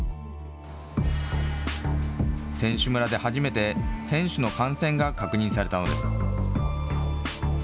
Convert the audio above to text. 選手村で初めて、選手の感染が確認されたのです。